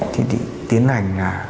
thì tiến hành